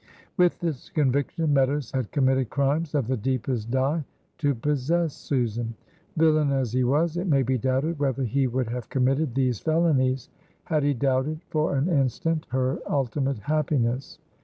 With this conviction, Meadows had committed crimes of the deepest dye to possess Susan. Villain as he was, it may be doubted whether he would have committed these felonies had he doubted for an instant her ultimate happiness.